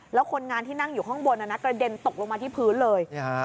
แล้วคนงานที่นั่งอยู่ข้างบนกระเด็นตกลงมาที่พื้นเลย